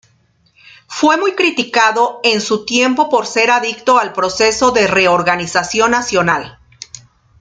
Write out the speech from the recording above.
Fue muy criticado en su tiempo por ser adicto al Proceso de Reorganización Nacional.